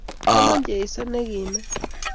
. Chama Jesu ne kime,